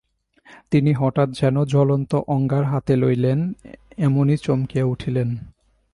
তিনি হঠাৎ যেন জ্বলন্ত অঙ্গার হাতে লইলেন, এমনি চমকিয়া উঠিলেন।